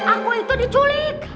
aku itu diculik